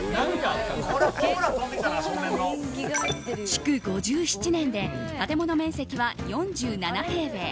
築５７年で建物面積は４７平米。